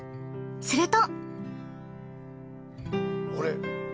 すると。